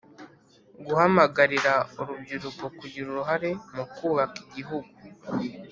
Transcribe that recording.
Guhamagarira urubyiruko kugira uruhare mukubaka igihugu